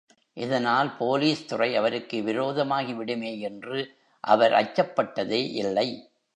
இதனால், போலீஸ்துறை அவருக்கு விரோதமாகி விடுமே என்று அவர் அச்சப்பட்டதே இல்லை.